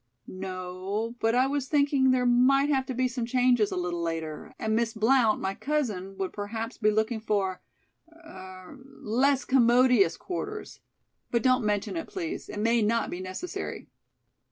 "No, but I was thinking there might have to be some changes a little later, and Miss Blount, my cousin, would perhaps be looking for er less commodious quarters. But don't mention it, please. It may not be necessary."